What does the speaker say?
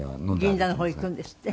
「銀座の方行くんですって？」